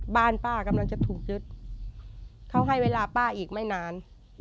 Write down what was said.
บ้านป้ากำลังจะถูกยึดเขาให้เวลาป้าอีกไม่นาน